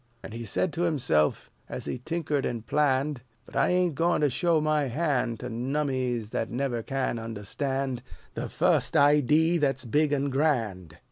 And he said to himself, as he tinkered and planned, "But I ain't goin' to show my hand To nummies that never can understand The fust idee that's big an' grand."